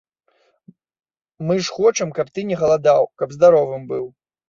Мы ж хочам, каб ты не галадаў, каб здаровым быў.